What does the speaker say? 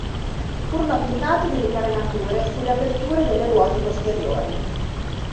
Furono applicate delle carenature sulle aperture delle ruote posteriori.